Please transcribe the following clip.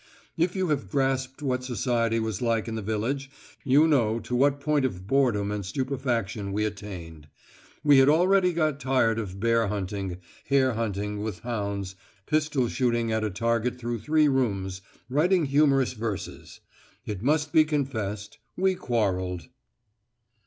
If you have grasped what society was like in the village you know to what point of boredom and stupefaction we attained. We had already got tired of bear hunting, hare hunting with hounds, pistol shooting at a target through three rooms, writing humorous verses. It must be confessed we quarrelled."